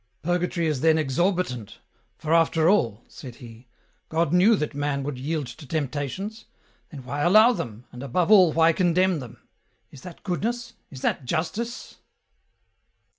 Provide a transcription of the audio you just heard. " Purgatory is then exorbitant, for after all," said he, " God knew that man would yield to tempta tions ; then why allow them, and above all why condemn them ? Is that goodness, is that justice